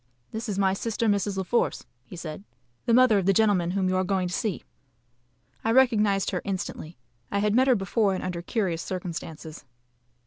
"This is my sister, Mrs. La Force," said he, "the mother of the gentleman whom you are going to see." I recognised her instantly. I had met her before and under curious circumstances.